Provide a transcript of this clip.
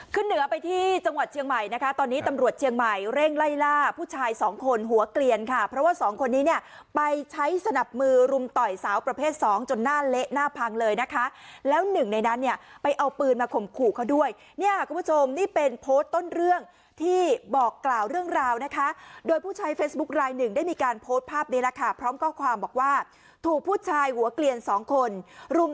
ขึ้นเหนือไปที่จังหวัดเชียงใหม่นะคะตอนนี้ตำรวจเชียงใหม่เร่งไล่ล่าผู้ชายสองคนหัวเกลียนค่ะเพราะว่าสองคนนี้เนี่ยไปใช้สนับมือรุมต่อยสาวประเภทสองจนหน้าเละหน้าพังเลยนะคะแล้วหนึ่งในนั้นเนี่ยไปเอาปืนมาข่มขู่เขาด้วยเนี่ยคุณผู้ชมนี่เป็นโพสต์ต้นเรื่องที่บอกกล่าวเรื่องราวนะคะโดยผู้ชายเฟซบุ๊คลายหนึ่